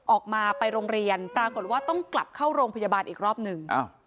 ออกมาไปโรงเรียนปรากฏว่าต้องกลับเข้าโรงพยาบาลอีกรอบหนึ่ง